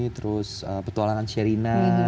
terus petualangan sherina